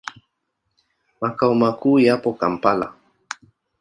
Makao makuu yapo Kampala.